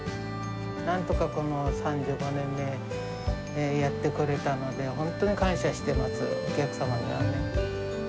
なんとかこの３５年、やってこれたので、本当に感謝してます、お客様には。